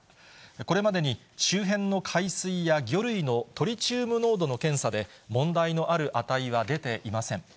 これまでに周辺の海水や魚類のトリチウム濃度の検査で問題のある値は出ていません。